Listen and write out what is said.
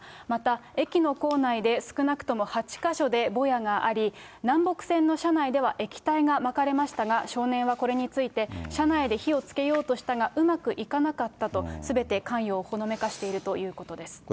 また、駅の構内で少なくとも８か所でぼやがあり、南北線の車内では液体がまかれましたが、少年はこれについて、車内で火をつけようとしたがうまくいかなかったと、すべて関与をほのめかしているということです。